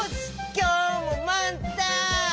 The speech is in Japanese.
きょうもまんたん！